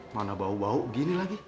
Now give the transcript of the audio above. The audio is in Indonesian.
mana bau bau gini lagi